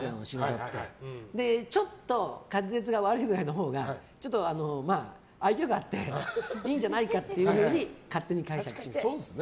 あとは、ちょっと滑舌が悪いぐらいのほうがちょっと愛嬌があっていいんじゃないかというふうに勝手に解釈してます。